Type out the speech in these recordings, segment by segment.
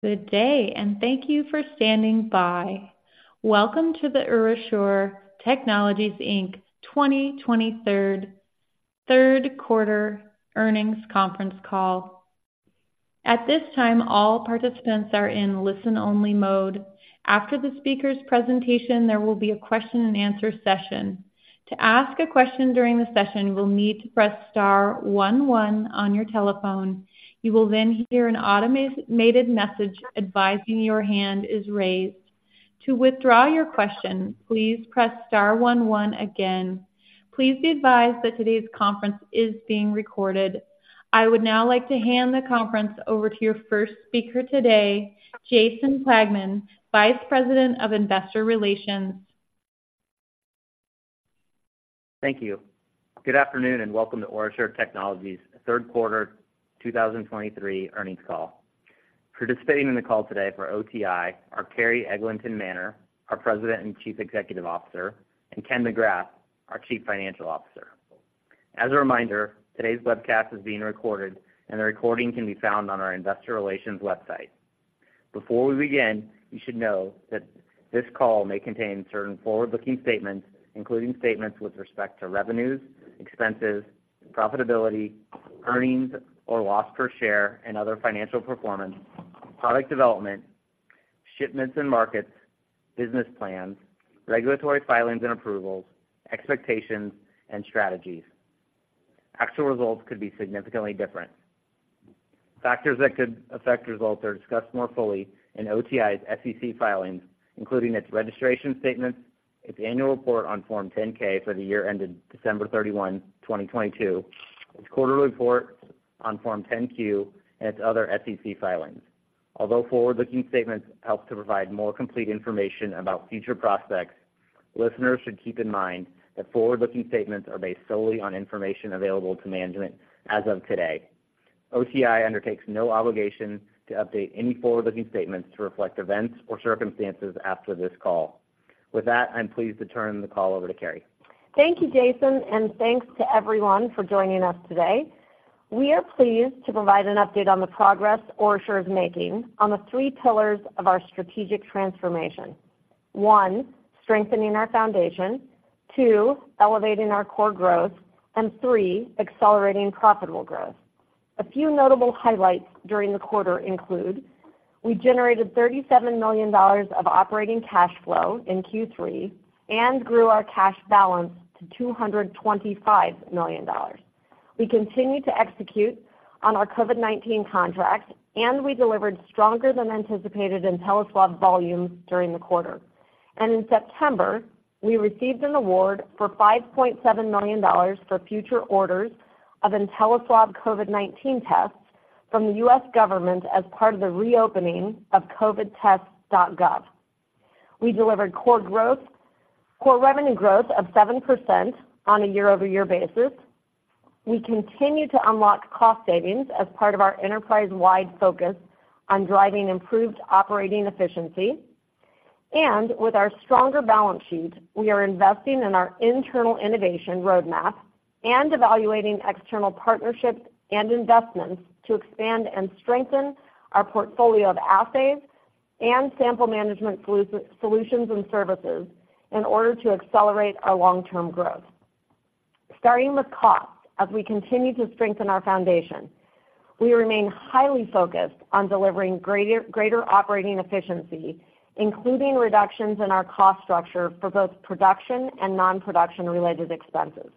Good day, and thank you for standing by. Welcome to the OraSure Technologies, Inc. 2023 third quarter earnings conference call. At this time, all participants are in listen-only mode. After the speaker's presentation, there will be a question-and-answer session. To ask a question during the session, you will need to press star one one on your telephone. You will then hear an automated message advising your hand is raised. To withdraw your question, please press star one one again. Please be advised that today's conference is being recorded. I would now like to hand the conference over to your first speaker today, Jason Plagman, Vice President of Investor Relations. Thank you. Good afternoon, and welcome to OraSure Technologies' third quarter 2023 earnings call. Participating in the call today for OTI are Carrie Eglinton Manner, our President and Chief Executive Officer, and Ken McGrath, our Chief Financial Officer. As a reminder, today's webcast is being recorded, and the recording can be found on our investor relations website. Before we begin, you should know that this call may contain certain forward-looking statements, including statements with respect to revenues, expenses, profitability, earnings or loss per share and other financial performance, product development, shipments and markets, business plans, regulatory filings and approvals, expectations, and strategies. Actual results could be significantly different. Factors that could affect results are discussed more fully in OraSure's SEC filings, including its registration statements, its annual report on Form 10-K for the year ended December 31, 2022, its quarterly report on Form 10-Q, and its other SEC filings. Although forward-looking statements help to provide more complete information about future prospects, listeners should keep in mind that forward-looking statements are based solely on information available to management as of today. OraSure undertakes no obligation to update any forward-looking statements to reflect events or circumstances after this call. With that, I'm pleased to turn the call over to Carrie. Thank you, Jason, and thanks to everyone for joining us today. We are pleased to provide an update on the progress OraSure is making on the three pillars of our strategic transformation. One, strengthening our foundation, two, elevating our core growth, and three, accelerating profitable growth. A few notable highlights during the quarter include: We generated $37 million of operating cash flow in Q3 and grew our cash balance to $225 million. We continued to execute on our COVID-19 contracts, and we delivered stronger than anticipated InteliSwab volumes during the quarter. And in September, we received an award for $5.7 million for future orders of InteliSwab COVID-19 tests from the U.S. government as part of the reopening of covidtests.gov. We delivered core growth core revenue growth of 7% on a year-over-year basis. We continue to unlock cost savings as part of our enterprise-wide focus on driving improved operating efficiency. With our stronger balance sheet, we are investing in our internal innovation roadmap and evaluating external partnerships and investments to expand and strengthen our portfolio of assays and sample management solutions and services in order to accelerate our long-term growth. Starting with costs, as we continue to strengthen our foundation, we remain highly focused on delivering greater, greater operating efficiency, including reductions in our cost structure for both production and non-production-related expenses.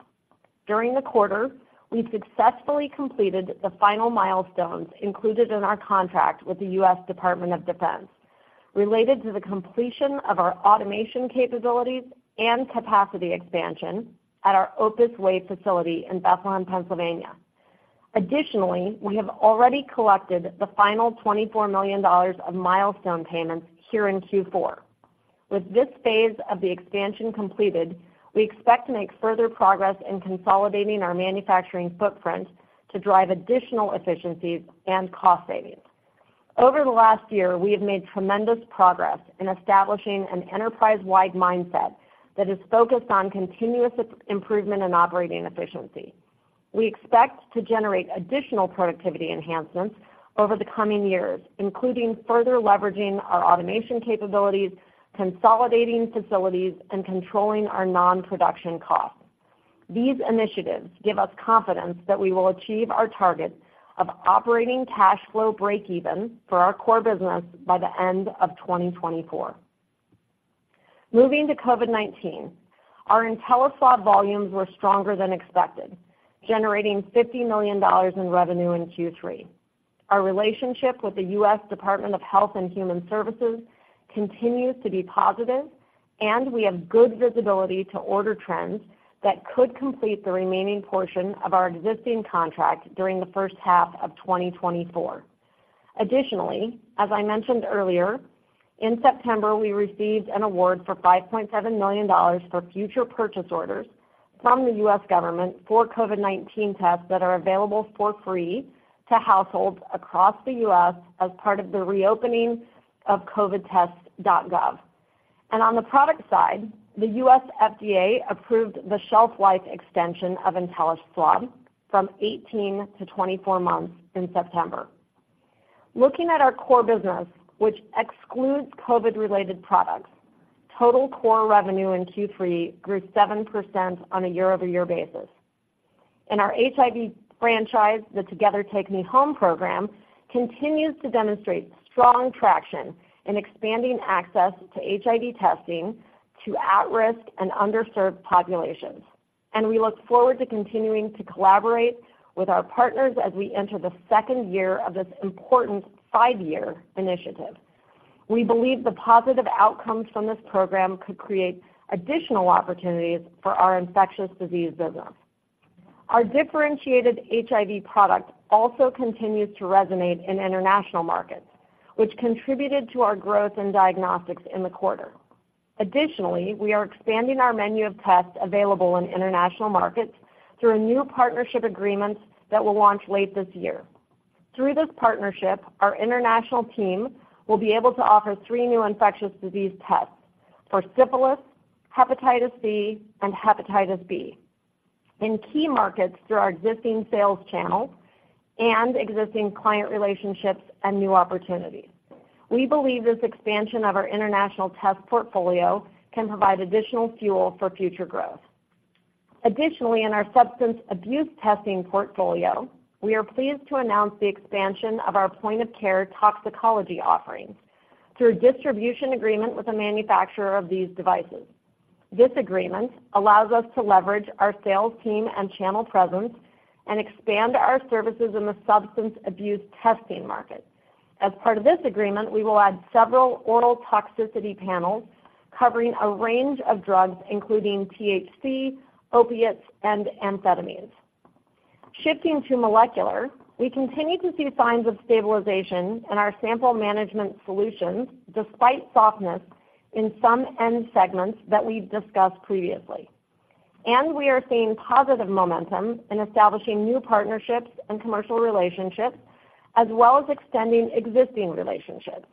During the quarter, we successfully completed the final milestones included in our contract with the U.S. Department of Defense, related to the completion of our automation capabilities and capacity expansion at our Opus Way facility in Bethlehem, Pennsylvania. Additionally, we have already collected the final $24 million of milestone payments here in Q4. With this phase of the expansion completed, we expect to make further progress in consolidating our manufacturing footprint to drive additional efficiencies and cost savings. Over the last year, we have made tremendous progress in establishing an enterprise-wide mindset that is focused on continuous improvement in operating efficiency. We expect to generate additional productivity enhancements over the coming years, including further leveraging our automation capabilities, consolidating facilities, and controlling our non-production costs. These initiatives give us confidence that we will achieve our target of operating cash flow breakeven for our core business by the end of 2024. Moving to COVID-19, our InteliSwab volumes were stronger than expected, generating $50 million in revenue in Q3. Our relationship with the U.S. Department of Health and Human Services continues to be positive, and we have good visibility to order trends that could complete the remaining portion of our existing contract during the first half of 2024. Additionally, as I mentioned earlier, in September, we received an award for $5.7 million for future purchase orders from the U.S. government for COVID-19 tests that are available for free to households across the U.S. as part of the reopening of covidtests.gov. On the product side, the U.S. FDA approved the shelf life extension of InteliSwab from 18-24 months in September. Looking at our core business, which excludes COVID-related products, total core revenue in Q3 grew 7% on a year-over-year basis. In our HIV franchise, the Together Take Me Home program continues to demonstrate strong traction in expanding access to HIV testing to at-risk and underserved populations, and we look forward to continuing to collaborate with our partners as we enter the second year of this important five-year initiative. We believe the positive outcomes from this program could create additional opportunities for our infectious disease business. Our differentiated HIV product also continues to resonate in international markets, which contributed to our growth in diagnostics in the quarter. Additionally, we are expanding our menu of tests available in international markets through a new partnership agreement that will launch late this year. Through this partnership, our international team will be able to offer three new infectious disease tests for syphilis, hepatitis C, and hepatitis B in key markets through our existing sales channels and existing client relationships and new opportunities. We believe this expansion of our international test portfolio can provide additional fuel for future growth. Additionally, in our substance abuse testing portfolio, we are pleased to announce the expansion of our point-of-care toxicology offerings through a distribution agreement with a manufacturer of these devices. This agreement allows us to leverage our sales team and channel presence and expand our services in the substance abuse testing market. As part of this agreement, we will add several oral toxicity panels covering a range of drugs, including THC, opiates, and amphetamines. Shifting to molecular, we continue to see signs of stabilization in our sample management solutions, despite softness in some end segments that we've discussed previously. And we are seeing positive momentum in establishing new partnerships and commercial relationships, as well as extending existing relationships.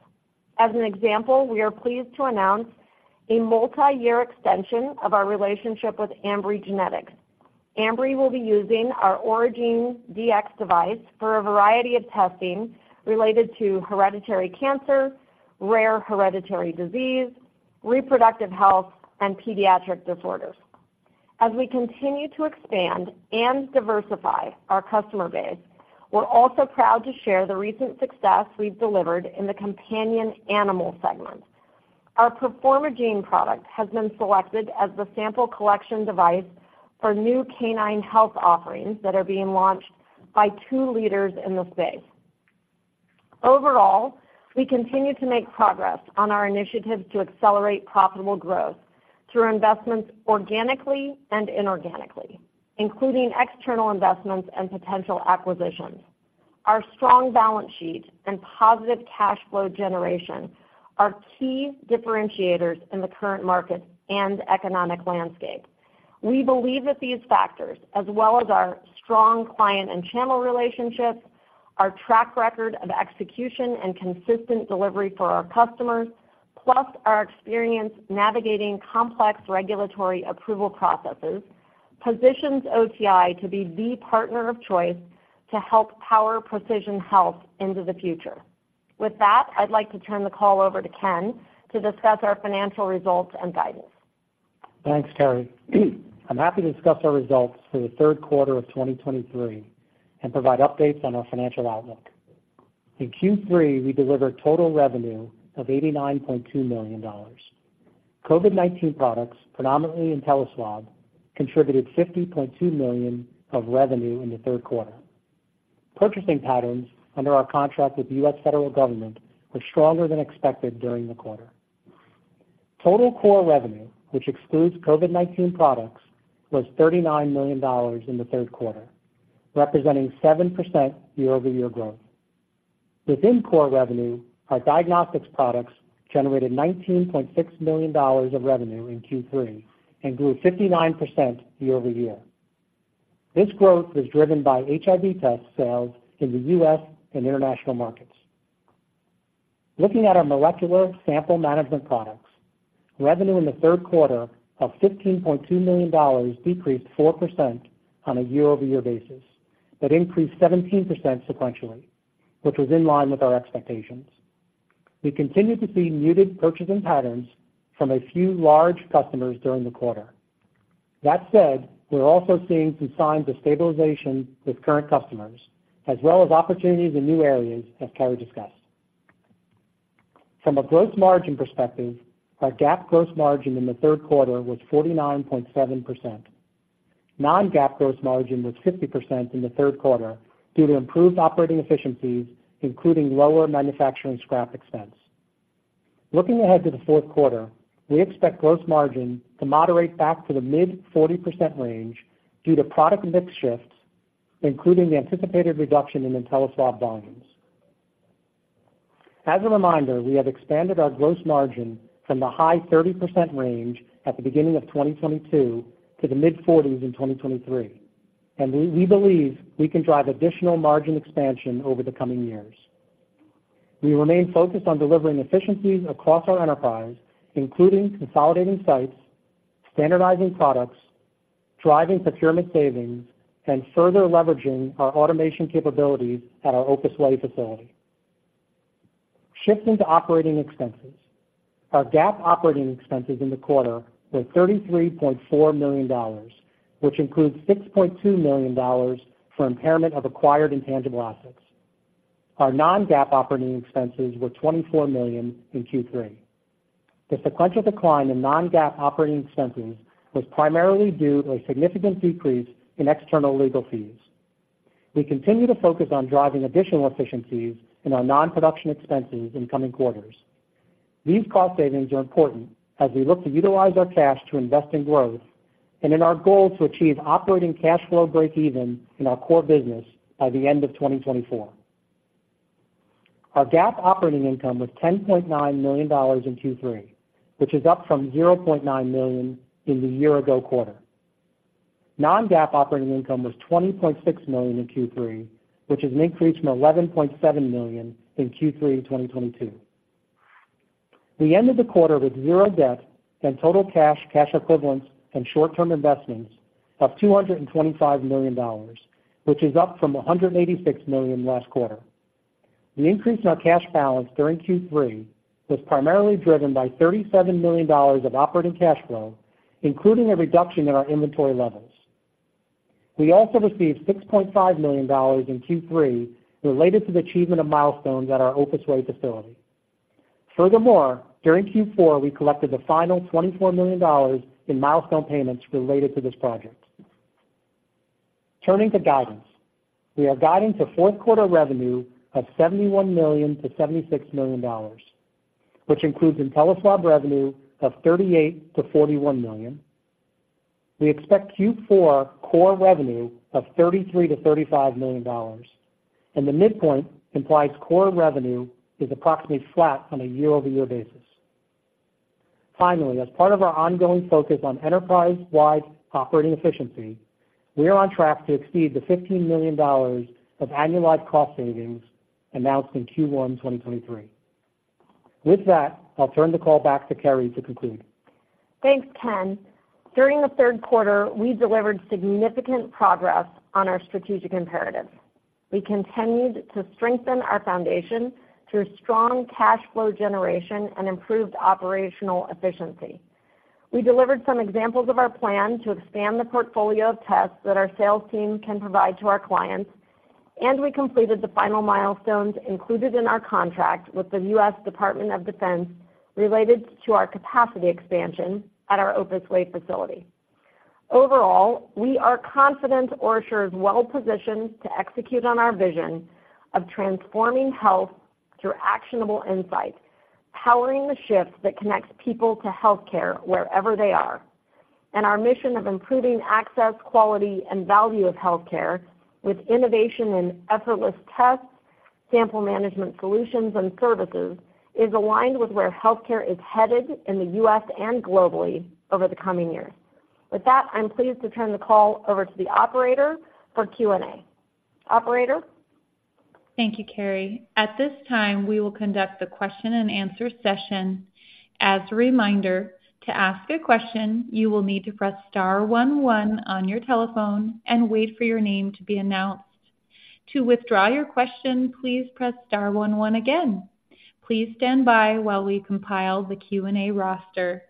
As an example, we are pleased to announce a multiyear extension of our relationship with Ambry Genetics. Ambry Genetics will be using our Oragene•Dx device for a variety of testing related to hereditary cancer, rare hereditary disease, reproductive health, and pediatric disorders. As we continue to expand and diversify our customer base, we're also proud to share the recent success we've delivered in the companion animal segment. Our Performagene product has been selected as the sample collection device for new canine health offerings that are being launched by two leaders in the space. Overall, we continue to make progress on our initiatives to accelerate profitable growth through investments organically and inorganically, including external investments and potential acquisitions. Our strong balance sheet and positive cash flow generation are key differentiators in the current market and economic landscape. We believe that these factors, as well as our strong client and channel relationships, our track record of execution and consistent delivery for our customers, plus our experience navigating complex regulatory approval processes, positions OTI to be the partner of choice to help power precision health into the future. With that, I'd like to turn the call over to Ken to discuss our financial results and guidance. Thanks, Carrie. I'm happy to discuss our results for the third quarter of 2023 and provide updates on our financial outlook. In Q3, we delivered total revenue of $89.2 million. COVID-19 products, predominantly InteliSwab, contributed $50.2 million of revenue in the third quarter. Purchasing patterns under our contract with the U.S. federal government were stronger than expected during the quarter. Total core revenue, which excludes COVID-19 products, was $39 million in the third quarter, representing 7% year-over-year growth. Within core revenue, our diagnostics products generated $19.6 million of revenue in Q3 and grew 59% year-over-year. This growth was driven by HIV test sales in the U.S. and international markets. Looking at our molecular sample management products, revenue in the third quarter of $15.2 million decreased 4% on a year-over-year basis, but increased 17% sequentially, which was in line with our expectations. We continued to see muted purchasing patterns from a few large customers during the quarter. That said, we're also seeing some signs of stabilization with current customers, as well as opportunities in new areas, as Carrie discussed. From a gross margin perspective, our GAAP gross margin in the third quarter was 49.7%. Non-GAAP gross margin was 50% in the third quarter due to improved operating efficiencies, including lower manufacturing scrap expense. Looking ahead to the fourth quarter, we expect gross margin to moderate back to the mid-40% range due to product mix shifts, including the anticipated reduction in InteliSwab volumes. As a reminder, we have expanded our gross margin from the high 30% range at the beginning of 2022 to the mid-40s in 2023, and we, we believe we can drive additional margin expansion over the coming years. We remain focused on delivering efficiencies across our enterprise, including consolidating sites, standardizing products, driving procurement savings, and further leveraging our automation capabilities at our Opus Way facility. Shifting to operating expenses. Our GAAP operating expenses in the quarter were $33.4 million, which includes $6.2 million for impairment of acquired intangible assets. Our non-GAAP operating expenses were $24 million in Q3. The sequential decline in non-GAAP operating expenses was primarily due to a significant decrease in external legal fees. We continue to focus on driving additional efficiencies in our non-production expenses in coming quarters. These cost savings are important as we look to utilize our cash to invest in growth and in our goal to achieve operating cash flow breakeven in our core business by the end of 2024. Our GAAP operating income was $10.9 million in Q3, which is up from $0.9 million in the year ago quarter. Non-GAAP operating income was $20.6 million in Q3, which is an increase from $11.7 million in Q3 2022. We ended the quarter with zero debt and total cash, cash equivalents, and short-term investments of $225 million, which is up from $186 million last quarter. The increase in our cash balance during Q3 was primarily driven by $37 million of operating cash flow, including a reduction in our inventory levels. We also received $6.5 million in Q3 related to the achievement of milestones at our Opus Way facility. Furthermore, during Q4, we collected the final $24 million in milestone payments related to this project. Turning to guidance, we are guiding to fourth quarter revenue of $71 million-$76 million, which includes InteliSwab revenue of $38 million-$41 million. We expect Q4 core revenue of $33 million-$35 million, and the midpoint implies core revenue is approximately flat on a year-over-year basis. Finally, as part of our ongoing focus on enterprise-wide operating efficiency, we are on track to exceed the $15 million of annualized cost savings announced in Q1 2023. With that, I'll turn the call back to Carrie to conclude. Thanks, Ken. During the third quarter, we delivered significant progress on our strategic imperatives. We continued to strengthen our foundation through strong cash flow generation and improved operational efficiency. We delivered some examples of our plan to expand the portfolio of tests that our sales team can provide to our clients, and we completed the final milestones included in our contract with the U.S. Department of Defense related to our capacity expansion at our Opus Way facility. Overall, we are confident OraSure is well positioned to execute on our vision of transforming health through actionable insight, powering the shift that connects people to healthcare wherever they are. Our mission of improving access, quality, and value of healthcare with innovation and effortless tests, sample management solutions and services, is aligned with where healthcare is headed in the US and globally over the coming years. With that, I'm pleased to turn the call over to the operator for Q&A. Operator? Thank you, Carrie. At this time, we will conduct the question-and-answer session. As a reminder, to ask a question, you will need to press star one, one on your telephone and wait for your name to be announced. To withdraw your question, please press star one, one again. Please stand by while we compile the Q&A roster.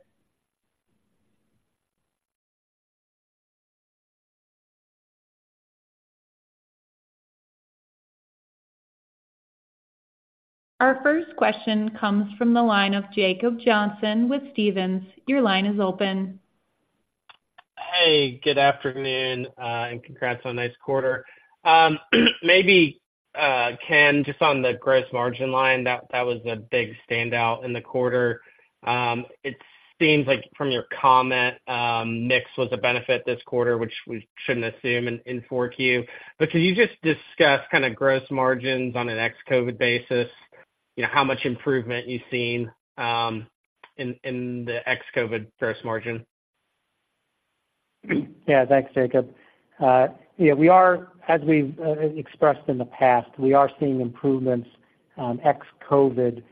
Our first question comes from the line of Jacob Johnson with Stephens. Your line is open. Hey, good afternoon, and congrats on a nice quarter. Maybe, Ken, just on the gross margin line, that, that was a big standout in the quarter. It seems like from your comment, mix was a benefit this quarter, which we shouldn't assume in 4Q. But could you just discuss kind of gross margins on an ex-COVID basis? You know, how much improvement you've seen, in the ex-COVID gross margin? Yeah, thanks, Jacob. Yeah, we are, as we've expressed in the past, we are seeing improvements ex-COVID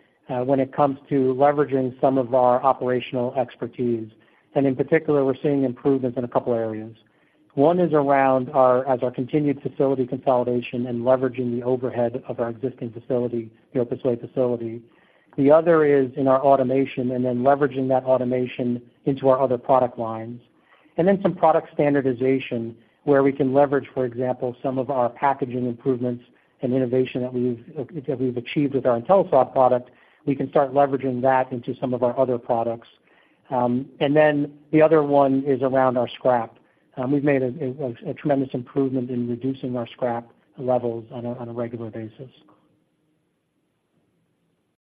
when it comes to leveraging some of our operational expertise. And in particular, we're seeing improvements in a couple areas. One is around our continued facility consolidation and leveraging the overhead of our existing facility, the Opus Way facility. The other is in our automation, and then leveraging that automation into our other product lines. And then some product standardization, where we can leverage, for example, some of our packaging improvements and innovation that we've achieved with our InteliSwab product, we can start leveraging that into some of our other products. And then the other one is around our scrap. We've made a tremendous improvement in reducing our scrap levels on a regular basis.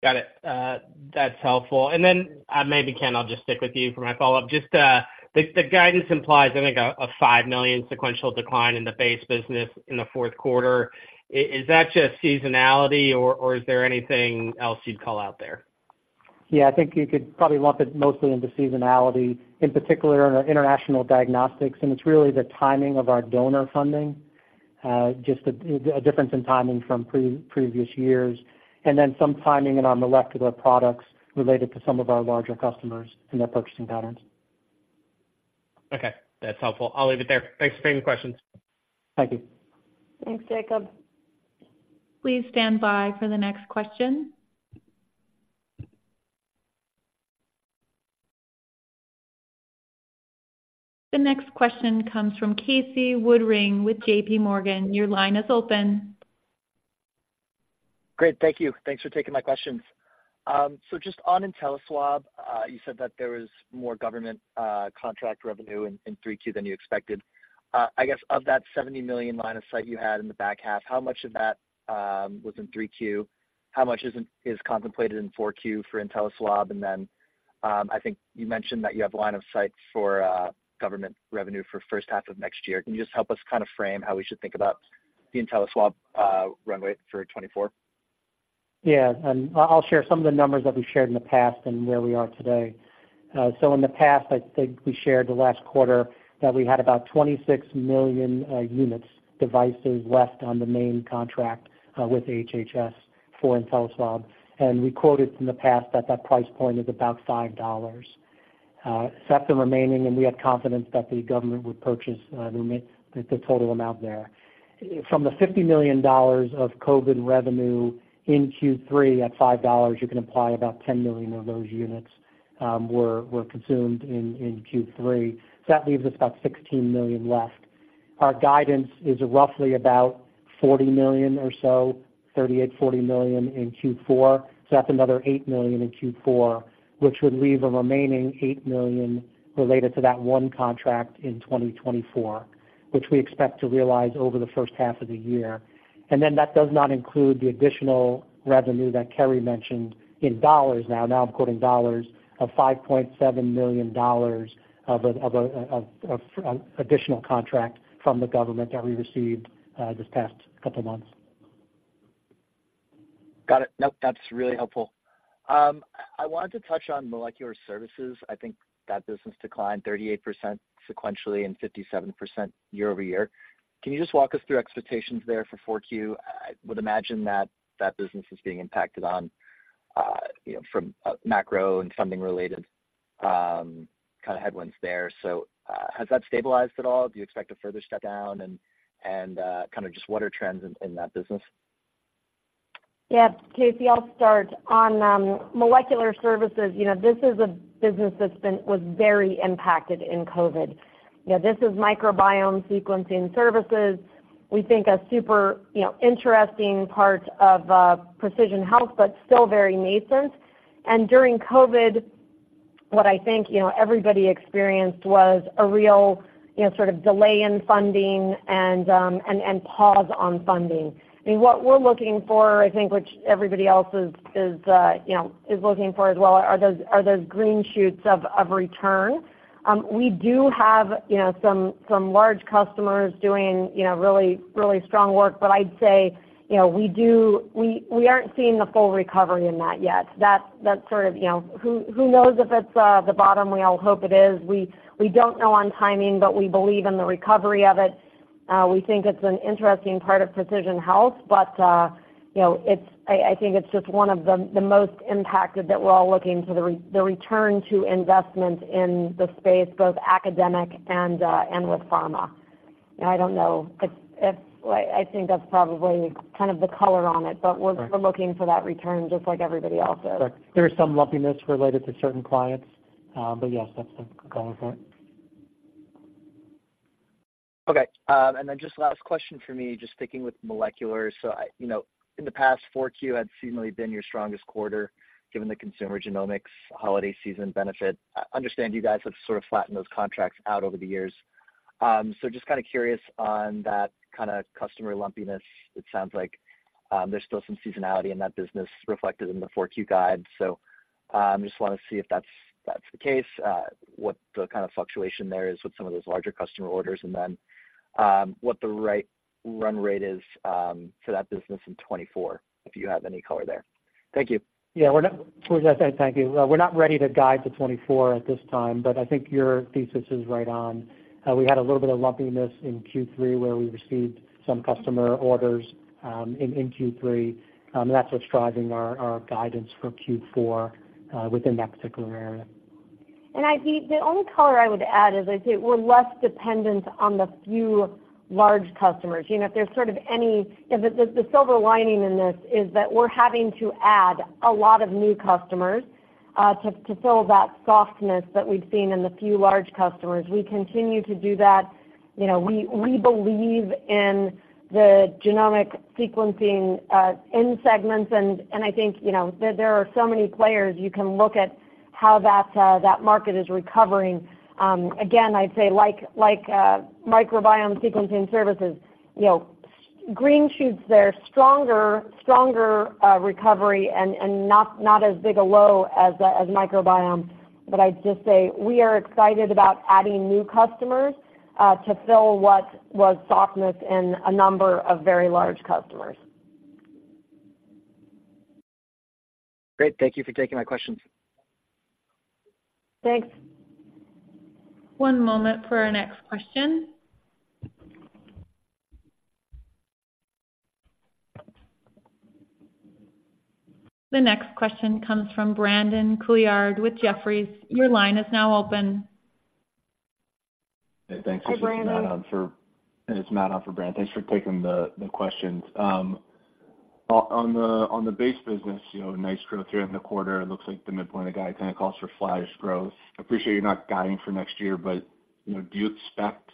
Got it. That's helpful. And then, maybe Ken, I'll just stick with you for my follow-up. Just, the guidance implies, I think, a $5 million sequential decline in the base business in the fourth quarter. Is that just seasonality or, or is there anything else you'd call out there? ... Yeah, I think you could probably lump it mostly into seasonality, in particular in our international diagnostics, and it's really the timing of our donor funding, just a difference in timing from previous years, and then some timing in our molecular products related to some of our larger customers and their purchasing patterns. Okay, that's helpful. I'll leave it there. Thanks for taking the questions. Thank you. Thanks, Jacob. Please stand by for the next question. The next question comes from Casey Woodring with JP Morgan. Your line is open. Great, thank you. Thanks for taking my questions. So just on InteliSwab, you said that there was more government contract revenue in three Q than you expected. I guess of that $70 million line of sight you had in the back half, how much of that was in three Q? How much is contemplated in four Q for InteliSwab? And then, I think you mentioned that you have line of sight for government revenue for first half of next year. Can you just help us kind of frame how we should think about the InteliSwab runway for 2024? Yeah, and I'll share some of the numbers that we've shared in the past and where we are today. So in the past, I think we shared the last quarter, that we had about 26 million units, devices left on the main contract with HHS for InteliSwab. And we quoted in the past that price point is about $5. Except the remaining, and we had confidence that the government would purchase the total amount there. From the $50 million of COVID revenue in Q3 at $5, you can apply about 10 million of those units were consumed in Q3. So that leaves us about 16 million left. Our guidance is roughly about $40 million or so, $38-$40 million in Q4, so that's another $8 million in Q4, which would leave a remaining $8 million related to that one contract in 2024, which we expect to realize over the first half of the year. And then that does not include the additional revenue that Carrie mentioned in dollars now, now I'm quoting dollars, of $5.7 million of an additional contract from the government that we received this past couple of months. Got it. Nope, that's really helpful. I wanted to touch on molecular services. I think that business declined 38% sequentially and 57% year-over-year. Can you just walk us through expectations there for 4Q? I would imagine that that business is being impacted on, you know, from, macro and funding related, kind of headwinds there. So, has that stabilized at all? Do you expect a further shutdown? And, and, kind of just what are trends in, in that business? Yeah, Casey, I'll start. On molecular services, you know, this is a business that's been-- was very impacted in COVID. You know, this is microbiome sequencing services. We think a super, you know, interesting part of precision health, but still very nascent. And during COVID, what I think, you know, everybody experienced was a real, you know, sort of delay in funding and, and, and pause on funding. I mean, what we're looking for, I think, which everybody else is, is, you know, is looking for as well, are those, are those green shoots of return. We do have, you know, some, some large customers doing, you know, really, really strong work, but I'd say, you know, we do-- we, we aren't seeing the full recovery in that yet. That's sort of, you know, who knows if it's the bottom we all hope it is. We don't know on timing, but we believe in the recovery of it. We think it's an interesting part of precision health, but, you know, it's I think it's just one of the most impacted that we're all looking to the return to investment in the space, both academic and with pharma. You know, I don't know if I think that's probably kind of the color on it, but we're- Right. We're looking for that return just like everybody else is. Right. There's some lumpiness related to certain clients, but yes, that's the color for it. Okay, and then just last question for me, just sticking with molecular. So I... You know, in the past, 4Q had seemingly been your strongest quarter, given the consumer genomics holiday season benefit. I understand you guys have sort of flattened those contracts out over the years. So just kind of curious on that kind of customer lumpiness. It sounds like there's still some seasonality in that business reflected in the 4Q guide. So just want to see if that's, that's the case, what the kind of fluctuation there is with some of those larger customer orders, and then what the right run rate is for that business in 2024, if you have any color there. Thank you. Yeah, we're not—Thank you. We're not ready to guide to 2024 at this time, but I think your thesis is right on. We had a little bit of lumpiness in Q3, where we received some customer orders in Q3, and that's what's driving our guidance for Q4 within that particular area. I think the only color I would add is, I'd say we're less dependent on the few large customers. You know, if there's sort of any, you know, the silver lining in this is that we're having to add a lot of new customers to fill that softness that we've seen in the few large customers. We continue to do that. You know, we believe in the genomic sequencing in segments, and I think, you know, there are so many players, you can look at how that market is recovering. Again, I'd say like microbiome sequencing services, you know, green shoots there, stronger recovery and not as big a low as microbiome.... I'd just say we are excited about adding new customers to fill what was softness in a number of very large customers. Great. Thank you for taking my questions. Thanks. One moment for our next question. The next question comes from Brandon Couillard with Jefferies. Your line is now open. Hey, thanks. Hi, Matt. It's Matt on for Brandon. Thanks for taking the questions. On the base business, you know, nice growth here in the quarter. It looks like the midpoint of guide kind of calls for flattish growth. I appreciate you're not guiding for next year, but, you know, do you expect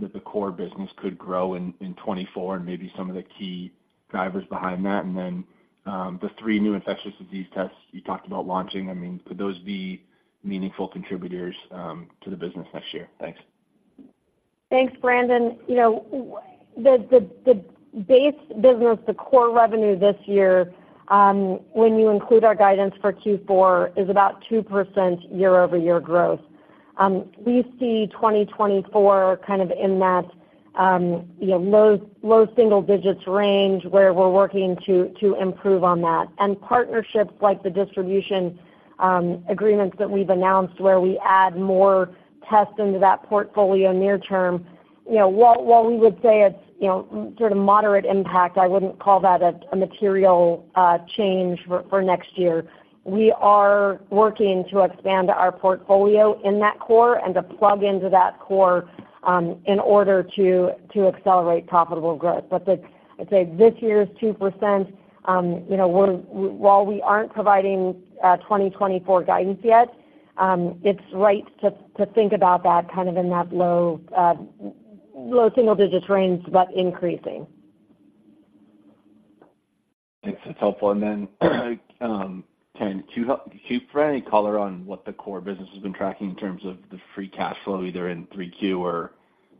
that the core business could grow in 2024, and maybe some of the key drivers behind that? And then, the three new infectious disease tests you talked about launching, I mean, could those be meaningful contributors to the business next year? Thanks. Thanks, Matt. You know, the base business, the core revenue this year, when you include our guidance for Q4, is about 2% year-over-year growth. We see 2024 kind of in that, you know, low single digits range, where we're working to improve on that. And partnerships like the distribution agreements that we've announced, where we add more tests into that portfolio near term, you know, while we would say it's, you know, sort of moderate impact, I wouldn't call that a material change for next year. We are working to expand our portfolio in that core and to plug into that core, in order to accelerate profitable growth. But I'd say this year's 2%, you know, we're, while we aren't providing 2024 guidance yet, it's right to think about that kind of in that low single digits range, but increasing. Thanks. That's helpful. And then, Ken, can you provide any color on what the core business has been tracking in terms of the free cash flow, either in Q3 or,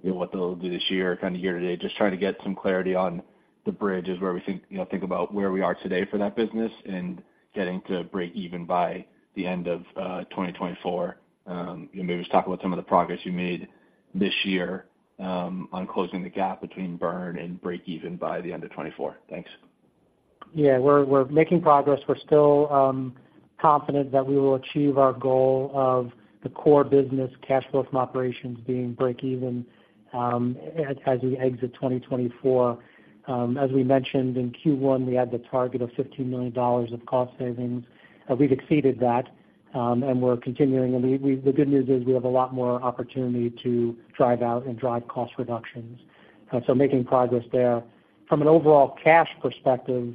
you know, what they'll do this year, kind of year to date? Just trying to get some clarity on the bridge is where we think, you know, think about where we are today for that business and getting to breakeven by the end of 2024. Maybe just talk about some of the progress you made this year on closing the gap between burn and breakeven by the end of 2024. Thanks. Yeah, we're making progress. We're still confident that we will achieve our goal of the core business cash flow from operations being breakeven, as we exit 2024. As we mentioned in Q1, we had the target of $15 million of cost savings, and we've exceeded that, and we're continuing. The good news is we have a lot more opportunity to drive out and drive cost reductions, so making progress there. From an overall cash perspective,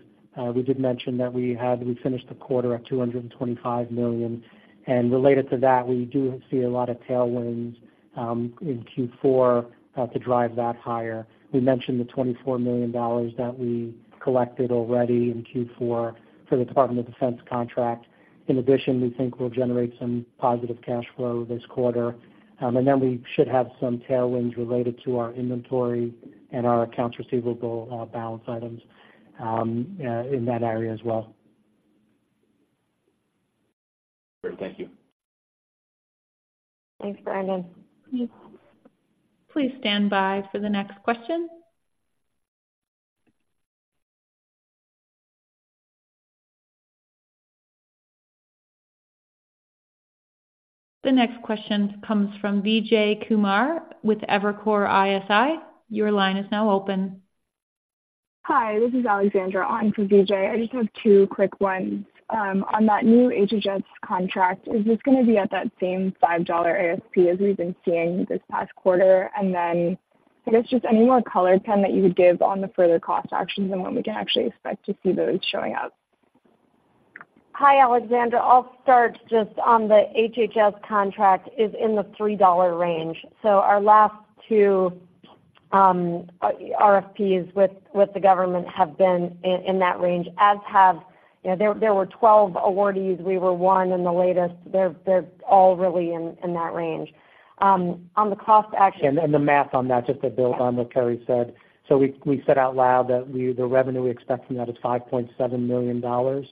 we did mention that we finished the quarter at $225 million, and related to that, we do see a lot of tailwinds in Q4 to drive that higher. We mentioned the $24 million that we collected already in Q4 for the Department of Defense contract. In addition, we think we'll generate some positive cash flow this quarter, and then we should have some tailwinds related to our inventory and our accounts receivable, balance items, in that area as well. Great. Thank you. Thanks, Matt. Please stand by for the next question. The next question comes from Vijay Kumar with Evercore ISI. Your line is now open. Hi, this is Alexandra on for Vijay. I just have two quick ones. On that new HHS contract, is this gonna be at that same $5 ASP as we've been seeing this past quarter? And then, I guess, just any more color, Ken, that you would give on the further cost actions and when we can actually expect to see those showing up. Hi, Alexandra. I'll start just on the HHS contract is in the $3 range. So our last two RFPs with the government have been in that range, as have. You know, there were 12 awardees. We were one in the latest. They're all really in that range. On the cost action- The math on that, just to build on what Carrie said. So we said out loud that we—the revenue we expect from that is $5.7 million.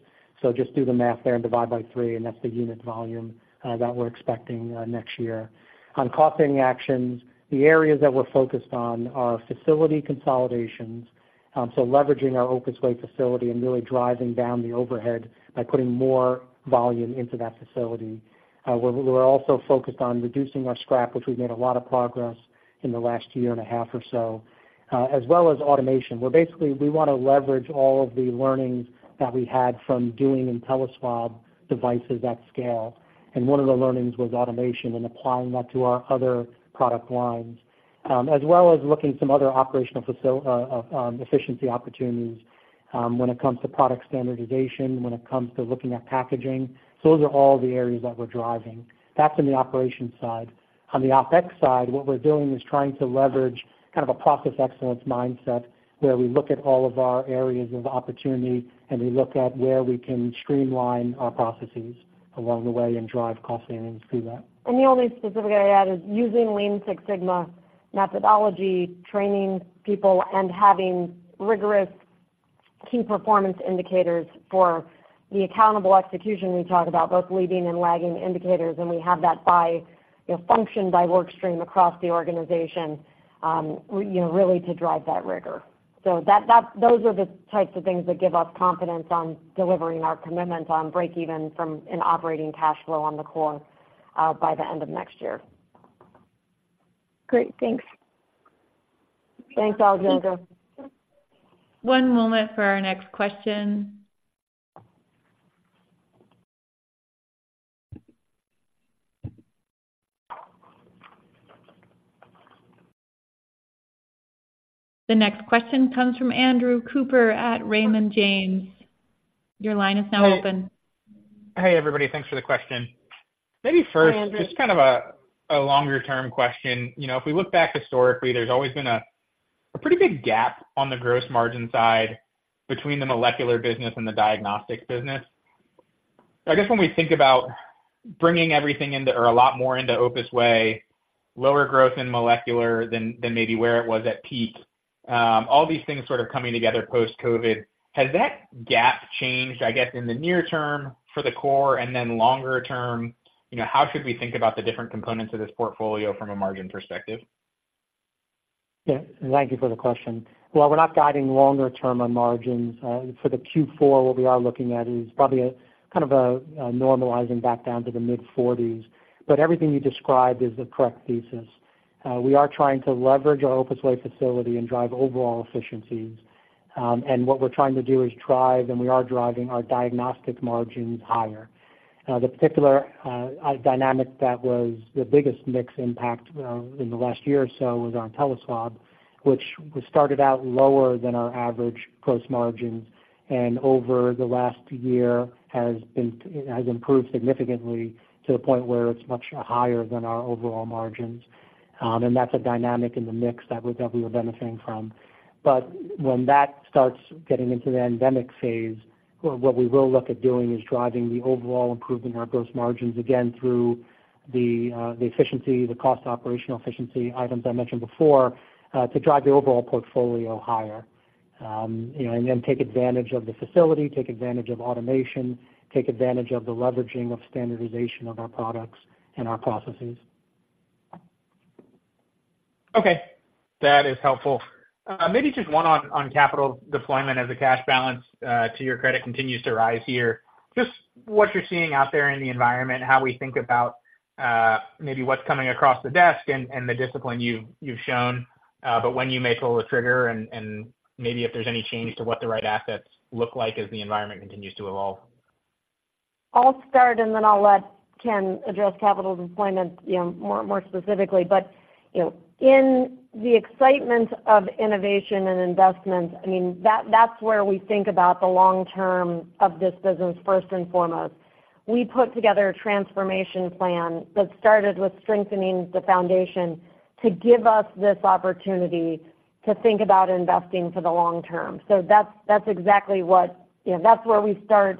So just do the math there and divide by 3, and that's the unit volume that we're expecting next year. On cost saving actions, the areas that we're focused on are facility consolidations, so leveraging our Opus Way facility and really driving down the overhead by putting more volume into that facility. We're also focused on reducing our scrap, which we've made a lot of progress in the last year and a half or so, as well as automation. We want to leverage all of the learnings that we had from doing InteliSwab devices at scale, and one of the learnings was automation and applying that to our other product lines, as well as looking at some other operational efficiency opportunities, when it comes to product standardization, when it comes to looking at packaging. So those are all the areas that we're driving. That's on the operations side. On the OpEx side, what we're doing is trying to leverage kind of a process excellence mindset, where we look at all of our areas of opportunity, and we look at where we can streamline our processes along the way and drive cost savings through that. The only specific I'd add is using Lean Six Sigma methodology, training people, and having rigorous... key performance indicators for the accountable execution we talked about, both leading and lagging indicators, and we have that by, you know, function, by work stream across the organization, you know, really to drive that rigor. So that those are the types of things that give us confidence on delivering our commitment on breakeven from an operating cash flow on the core, by the end of next year. Great. Thanks. Thanks, Alexandra. One moment for our next question. The next question comes from Andrew Cooper at Raymond James. Your line is now open. Hey, everybody. Thanks for the question. Hi, Andrew. Maybe first, just kind of a longer-term question. You know, if we look back historically, there's always been a pretty big gap on the gross margin side between the molecular business and the diagnostic business. I guess when we think about bringing everything into or a lot more into Opus Way, lower growth in molecular than maybe where it was at peak, all these things sort of coming together post-COVID, has that gap changed, I guess, in the near term for the core and then longer term? You know, how should we think about the different components of this portfolio from a margin perspective? Yeah, thank you for the question. While we're not guiding longer term on margins, for the Q4, what we are looking at is probably a kind of normalizing back down to the mid-40s%. But everything you described is the correct thesis. We are trying to leverage our Opus Way facility and drive overall efficiencies. And what we're trying to do is drive, and we are driving our diagnostic margins higher. The particular dynamic that was the biggest mix impact in the last year or so was on InteliSwab, which started out lower than our average gross margins, and over the last year has improved significantly to the point where it's much higher than our overall margins. And that's a dynamic in the mix that we, that we are benefiting from. But when that starts getting into the endemic phase, what we will look at doing is driving the overall improvement in our gross margins again, through the efficiency, the cost operational efficiency items I mentioned before, to drive the overall portfolio higher. You know, and then take advantage of the facility, take advantage of automation, take advantage of the leveraging of standardization of our products and our processes. Okay, that is helpful. Maybe just one on capital deployment as the cash balance, to your credit, continues to rise here. Just what you're seeing out there in the environment, how we think about maybe what's coming across the desk and the discipline you've shown, but when you may pull the trigger and maybe if there's any change to what the right assets look like as the environment continues to evolve. I'll start, and then I'll let Ken address capital deployment, you know, more, more specifically. But, you know, in the excitement of innovation and investment, I mean, that-that's where we think about the long term of this business first and foremost. We put together a transformation plan that started with strengthening the foundation to give us this opportunity to think about investing for the long term. So that's, that's exactly what... You know, that's where we start.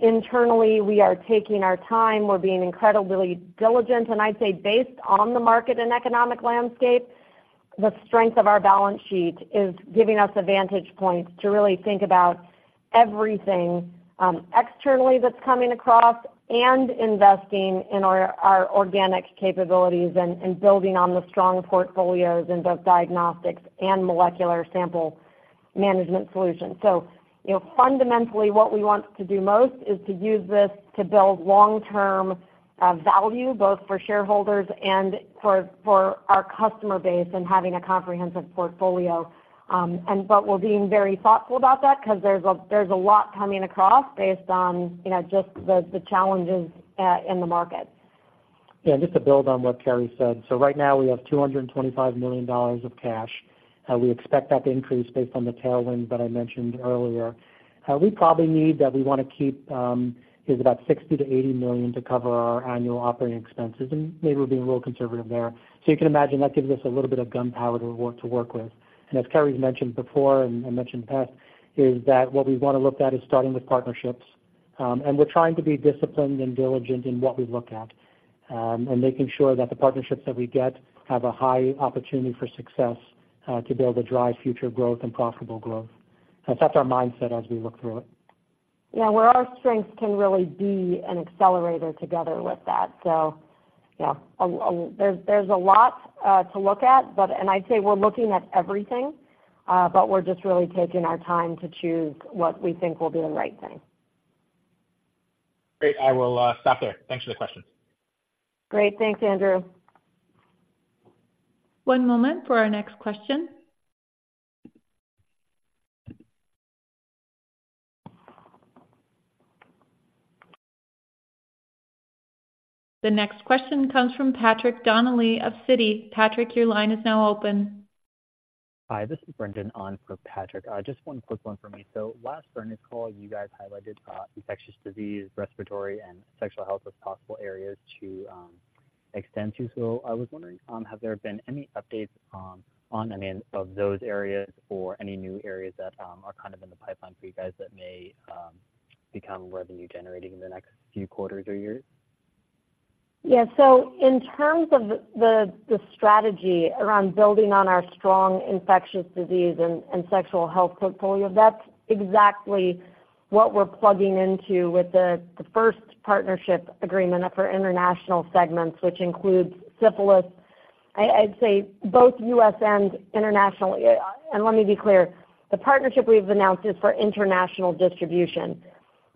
Internally, we are taking our time. We're being incredibly diligent, and I'd say based on the market and economic landscape, the strength of our balance sheet is giving us a vantage point to really think about everything, externally that's coming across and investing in our, our organic capabilities and, and building on the strong portfolios in both diagnostics and molecular sample management solutions. So you know, fundamentally, what we want to do most is to use this to build long-term value, both for shareholders and for our customer base and having a comprehensive portfolio. But we're being very thoughtful about that because there's a lot coming across based on, you know, just the challenges in the market. Yeah, just to build on what Carrie said. So right now, we have $225 million of cash. We expect that to increase based on the tailwinds that I mentioned earlier. We probably need, that we want to keep, is about $60 million-$80 million to cover our annual operating expenses, and maybe we're being a little conservative there. So you can imagine that gives us a little bit of gunpowder to work, to work with. And as Carrie's mentioned before and, and mentioned in the past, is that what we want to look at is starting with partnerships, and we're trying to be disciplined and diligent in what we look at, and making sure that the partnerships that we get have a high opportunity for success, to be able to drive future growth and profitable growth. That's our mindset as we look through it. Yeah, where our strengths can really be an accelerator together with that. So you know, there's a lot to look at, but and I'd say we're looking at everything, but we're just really taking our time to choose what we think will be the right thing. Great. I will stop there. Thanks for the question. Great. Thanks, Andrew. One moment for our next question. The next question comes from Patrick Donnelly of Citi. Patrick, your line is now open. Hi, this is Brendan on for Patrick. Just one quick one for me. So last earnings call, you guys highlighted infectious disease, respiratory, and sexual health as possible areas to extend to. So I was wondering, have there been any updates on any of those areas or any new areas that are kind of in the pipeline for you guys that may become revenue generating in the next few quarters or years?... Yeah. So in terms of the strategy around building on our strong infectious disease and sexual health portfolio, that's exactly what we're plugging into with the first partnership agreement for international segments, which includes syphilis. I'd say both U.S. and internationally. And let me be clear, the partnership we've announced is for international distribution,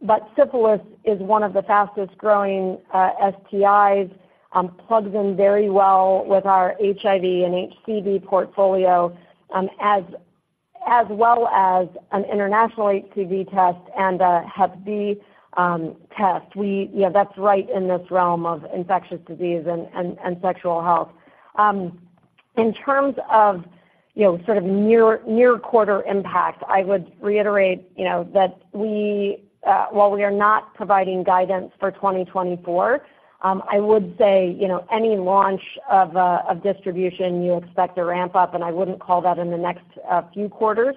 but syphilis is one of the fastest-growing STIs, plugs in very well with our HIV and HCV portfolio, as well as an international HCV test and a Hep B test. Yeah, that's right in this realm of infectious disease and sexual health. In terms of, you know, sort of near quarter impact, I would reiterate, you know, that we... While we are not providing guidance for 2024, I would say, you know, any launch of distribution you expect to ramp up, and I wouldn't call that in the next few quarters.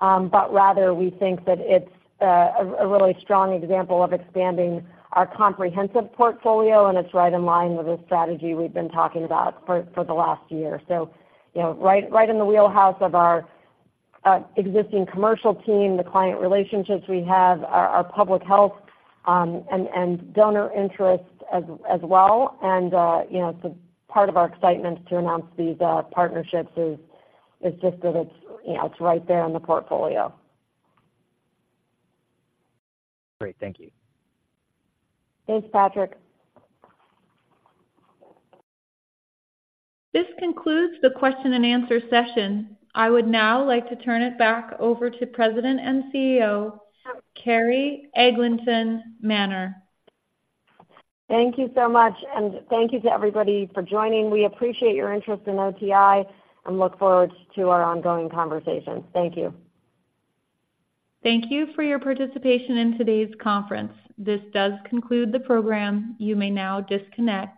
But rather, we think that it's a really strong example of expanding our comprehensive portfolio, and it's right in line with the strategy we've been talking about for the last year. So, you know, right in the wheelhouse of our existing commercial team, the client relationships we have, our public health and donor interests as well. And, you know, so part of our excitement to announce these partnerships is just that it's, you know, it's right there in the portfolio. Great. Thank you. Thanks, Patrick. This concludes the question and answer session. I would now like to turn it back over to President and CEO, Carrie Eglinton Manner. Thank you so much, and thank you to everybody for joining. We appreciate your interest in OTI and look forward to our ongoing conversations. Thank you. Thank you for your participation in today's conference. This does conclude the program. You may now disconnect.